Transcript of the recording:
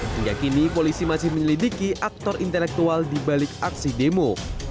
hingga kini polisi masih menyelidiki aktor intelektual dibalik aksi demo